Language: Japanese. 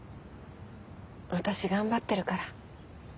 私頑張ってるから。